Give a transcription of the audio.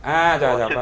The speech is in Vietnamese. à dạ dạ